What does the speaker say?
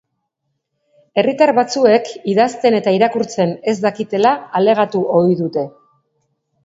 Herritar batzuek idazten eta irakurtzen ez dakitela alegatu ohi dute.